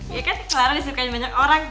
iya kan kelar disipkan banyak orang